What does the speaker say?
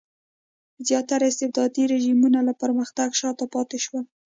زیاتره استبدادي رژیمونه له پرمختګ شاته پاتې شول.